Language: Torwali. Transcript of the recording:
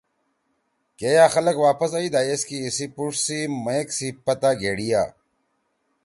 کے یأ خلگ واپس ائیدا ایسکے ایسی پُڙ سی مگ سی پتہ گھڑیئا۔